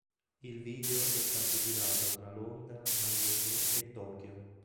Il video è stato girato tra Londra, Miami e Tokyo.